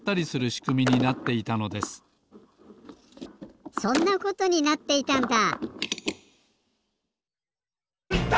しくみになっていたのですそんなことになっていたんだ！